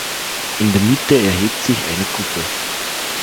In der Mitte erhebt sich eine Kuppel.